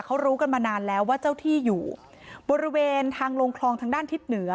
เขารู้กันมานานแล้วว่าเจ้าที่อยู่บริเวณทางลงคลองทางด้านทิศเหนือ